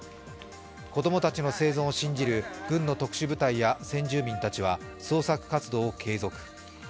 子供達も生存を信じる軍の特殊部隊や先住民達は懸命の捜索活動を継続。